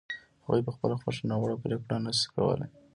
هغوی په خپله خوښه ناوړه پرېکړه نه شي کولای.